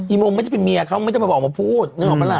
อีโมไม่ใช่เป็นเมียเขาไม่ใช่ออกมาพูดนึกออกมั้นล่ะ